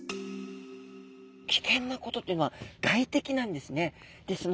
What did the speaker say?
危険なことっていうのは外敵なんですね。